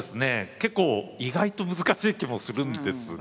結構意外と難しい気もするんですが。